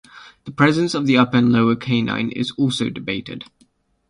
The presence of the upper and lower canine is also debated.